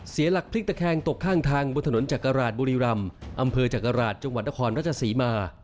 เสียหลักพลิกตะแคงตกข้างทางบนถนนจักราหร่าศบุรีรัมิอำเภอจักราหร่าศจักราชจังหวัดดครรภ์ราชสีมา